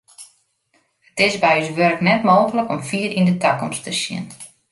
It is by ús wurk net mooglik om fier yn de takomst te sjen.